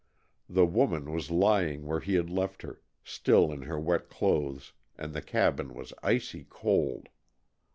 The woman was lying where he had left her, still in her wet clothes, and the cabin was icy cold.